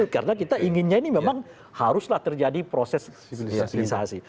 karena kita inginnya ini memang haruslah terjadi proses civilisasi